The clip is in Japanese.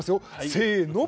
せの。